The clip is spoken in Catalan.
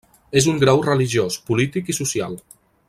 És un grau religiós, polític i social.